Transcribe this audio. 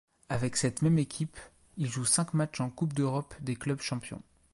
Avec cette même équipe, il joue cinq matchs en Coupe d'Europe des clubs champions.